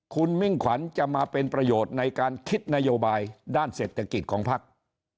คุณมิ่งขวัญจะมาเป็นประโยชน์ในการคิดนโยบายด้านเศรษฐกิจของภักดิ์